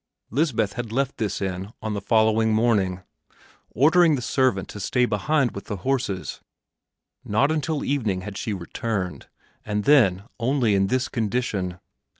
Lisbeth had left this inn on the following morning, ordering the servant to stay behind with the horses; not until evening had she returned, and then only in this condition.